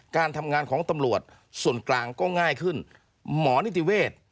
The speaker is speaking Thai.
การทำงานของตำรวจส่วนกลางก็ง่ายขึ้นหมอนิติเวศ